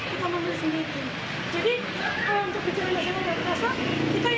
terus banyak itu sambal sambalnya kita memilih sendiri